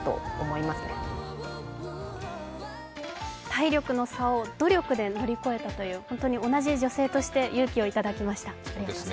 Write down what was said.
体力の差を努力で乗り越えたという本当に同じ女性として勇気をいただきました。